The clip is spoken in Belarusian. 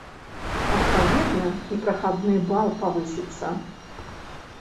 Адпаведна, і прахадны бал павысіцца.